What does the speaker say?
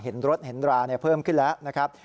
เห็นรถเห็นราเพิ่มขึ้นแล้วนะครับ